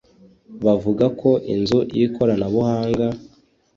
Bavuga ko inzu y’ikoranabuhanga